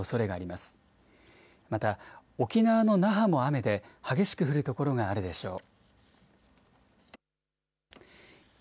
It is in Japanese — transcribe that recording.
また沖縄の那覇も雨で激しく降る所があるでしょう。